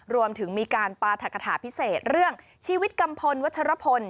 รวมถึงมีการปราธกฐาพิเศษเรื่องชีวิตกัมพลวัชรพล